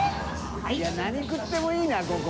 いや何食ってもいいなここ。